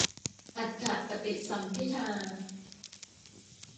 อรรถปฏิสัมภิทา